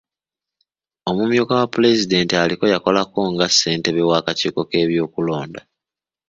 Omumyuka wa pulezidenti aliko yakolako nga ssentebe w'akakiiko k'ebyokulonda.